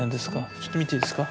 ちょっと見ていいですか？